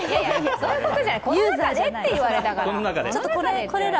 そういうことじゃない、この中でって言われたから。